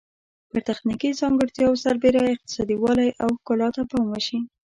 پر تخنیکي ځانګړتیاوو سربیره اقتصادي والی او ښکلا ته پام وشي.